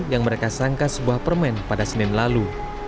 yang mereka sangka sebuah permen pada senin lalu